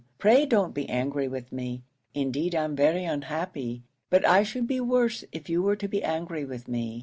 Pray don't be angry with me. Indeed I'm very unhappy; but I should be worse if you were to be angry with me.